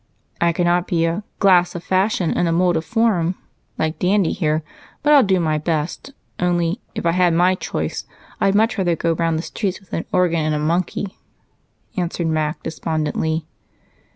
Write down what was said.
"I cannot be a 'glass of fashion and a mold of form' like Dandy here, but I'll do my best: only, if I had my choice, I'd much rather go round the streets with an organ and a monkey," answered Mac despondently.